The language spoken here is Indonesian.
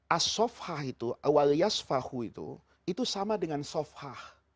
asofah itu waliyasfahu itu itu sama dengan sofah